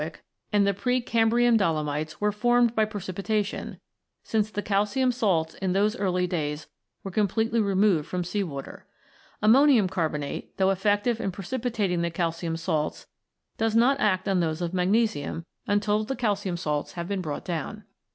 3 34 ROCKS AND THEIR ORIGINS [CH. the pre Cambrian dolomites were formed by precipita tion, since the calcium salts in those early days were completely removed from the sea water. Ammonium carbonate, though effective in precipitating the calcium salts, does not act on those of magnesium until the calcium salts have been brought down.